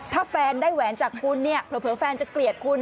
ถ้าแฟนได้แหวนจากคุณเนี่ยเผลอแฟนจะเกลียดคุณ